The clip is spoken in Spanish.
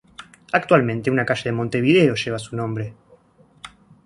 Actualmente, una calle de Montevideo lleva su nombre.